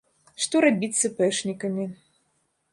Што рабіць з іпэшнікамі.